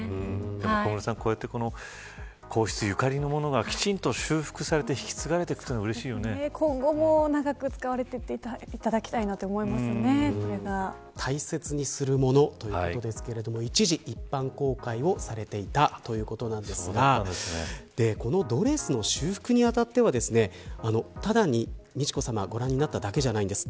小室さん、こうやって皇室ゆかりのものがきちんと修復されて引き継がれているのは今後も長く使われていて大切にするものということですが一時、一般公開をされていたということなんですがこのドレスの修復にあたってはただ美智子さまご覧になっただけではありません。